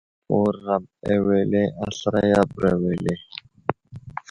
Wuram awele a slaray a bəra wele ?